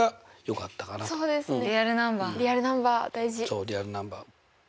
そうリアルナンバー。